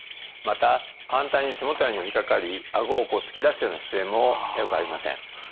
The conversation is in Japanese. また反対に背もたれに寄りかかりあごをこう突き出すような姿勢もよくありません。